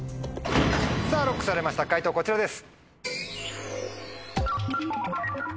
さぁＬＯＣＫされました解答こちらです。